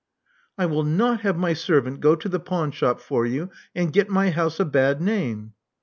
I will not have my servant go to the pawnshop for you, and get my house a bad name."